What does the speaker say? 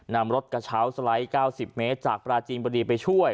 นำรถกระเช้าสไลด์๙๐เมตรจากปราจีนบุรีไปช่วย